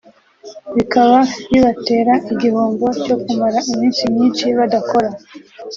bikaba bibatera igihombo cyo kumara iminsi myinshi badakora